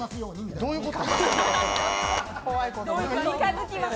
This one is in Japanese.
どういうこと？